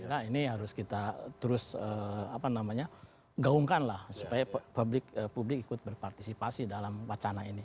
jadi kita ini harus kita terus apa namanya gaungkanlah supaya publik ikut berpartisipasi dalam wacana ini